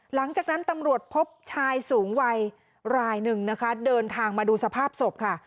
หลังจากนั้นตำรวจพบชายสูงวัยรายหนึ่งนะคะเดินทางมาดูสภาพศพค่ะ